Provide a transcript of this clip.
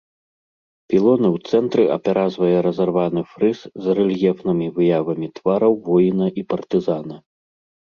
Пілоны ў цэнтры апяразвае разарваны фрыз з рэльефнымі выявамі твараў воіна і партызана.